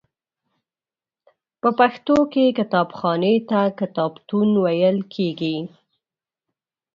په پښتو کې کتابخانې ته کتابتون ویل کیږی.